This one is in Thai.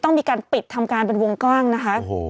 ต้องมีการปิดทำการเป็นวงกว้างนะคะ